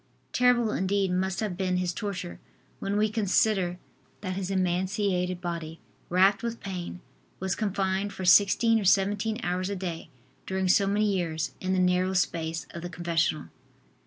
Terrible indeed must have been his torture when we consider that his emaciated body, racked with pain, was confined for sixteen or seventeen hours a day, during so many years, in the narrow space of the confessional.